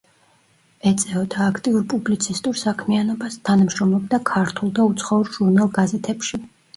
ეწეოდა აქტიურ პუბლიცისტურ საქმიანობას, თანამშრომლობდა ქართულ და უცხოურ ჟურნალ–გაზეთებში.